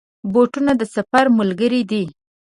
بوټونه د سفر ملګري دي.